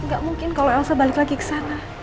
nggak mungkin kalau elsa balik lagi ke sana